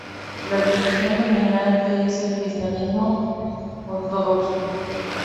La religión dominante es el cristianismo ortodoxo.